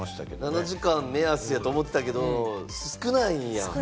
７時間目安やと思ってたけれども、少ないんや。